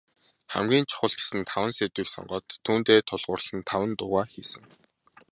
Хамгийн чухал гэсэн таван сэдвийг сонгоод, түүндээ тулгуурлан таван дуугаа хийсэн.